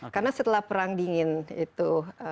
karena setelah perang dingin itu